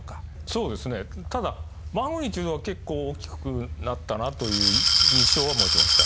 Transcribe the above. そうですね、ただ、マグニチュードは結構、大きくなったなという印象は持ちました。